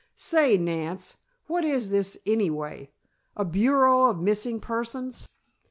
"Say, Nance, what is this, anyway? A bureau of missing persons?"